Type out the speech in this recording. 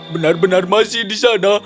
benar benar masih di sana